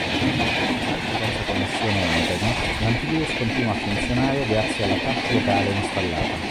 Anche senza connessione a Internet, l'antivirus continua a funzionare grazie alla cache locale installata.